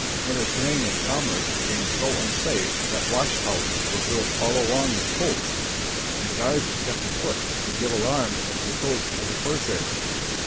Mediterranean commerce became so unsafe that watch towers were built all along the coasts, and guards were kept afoot to give alarm at the approach of the corsairs.